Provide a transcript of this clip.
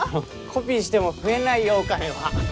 コピーしても増えないよお金は。